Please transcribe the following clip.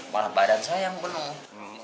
malah badan saya yang penuh